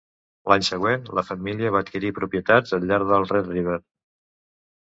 L'any següent, la família va adquirir propietats al llarg del Red River.